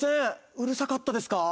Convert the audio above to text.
うるさかったですか？